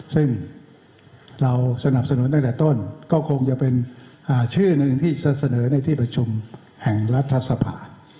ซึ่งเราสนับสนุนตั้งแต่ต้นก็คงจะเป็นชื่อหนึ่งที่จะเสนอในที่ประชุมแห่งรัฐสภา